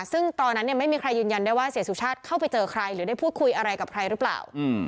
ซึ่งตอนนั้นไม่มีใครยืนยันได้ว่าเสียสุชาติเข้าไปเจอใครหรือได้พูดคุยอะไรกับใครหรือเปล่า